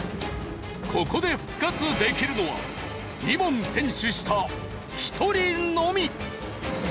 ここで復活できるのは２問先取した１人のみ。